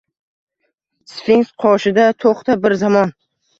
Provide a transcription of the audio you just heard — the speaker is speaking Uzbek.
Sfinks qoshida to’xta bir zamon